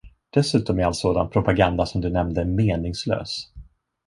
Dessutom är all sådan propaganda, som du nämnde, meningslös.